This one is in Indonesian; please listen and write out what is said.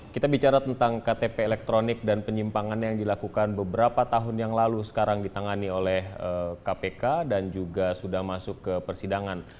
kita bicara tentang ktp elektronik dan penyimpangan yang dilakukan beberapa tahun yang lalu sekarang ditangani oleh kpk dan juga sudah masuk ke persidangan